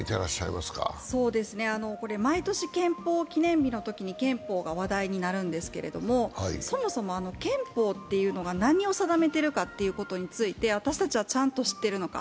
毎年、憲法記念日のときに憲法が話題になるんですがそもそも憲法っていうのが何を定めているのかということについて私たちはちゃんと知っているのか。